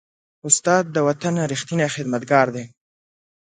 استاد د وطن ریښتینی خدمتګار دی.